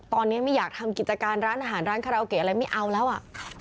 ตอนนี้ไม่อยากทำกิจการร้านอาหารร้านคาราโอเกะอะไรไม่เอาแล้วอ่ะ